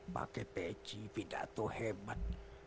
pakai peci pidato hebat